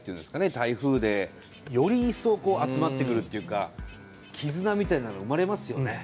台風でより一層こう集まってくるっていうか絆みたいなの生まれますよね。